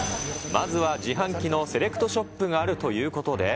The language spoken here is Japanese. まずは自販機のセレクトショップがあるということで。